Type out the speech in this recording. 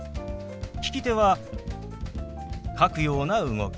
利き手は書くような動き。